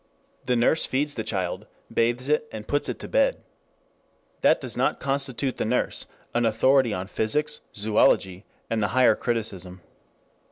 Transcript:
The nurse feeds the child, bathes it, and puts it to bed. That does not constitute the nurse an authority on physics, zoology, and the Higher Criticism.